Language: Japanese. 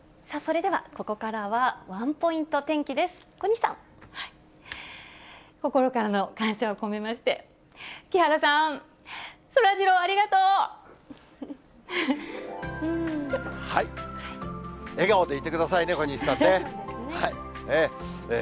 さあ、それではここからはワンポイント天気です。